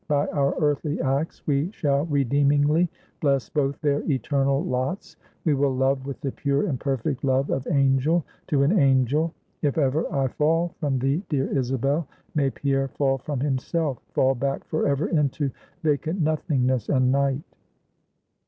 By our earthly acts we shall redeemingly bless both their eternal lots; we will love with the pure and perfect love of angel to an angel. If ever I fall from thee, dear Isabel, may Pierre fall from himself; fall back forever into vacant nothingness and night!"